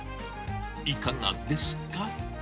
いかがですか。